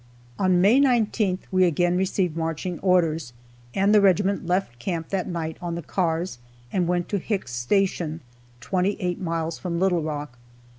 On May 19th we again received marching orders, and the regiment left camp that night on the cars, and went to Hicks' station, 28 miles from Little Rock.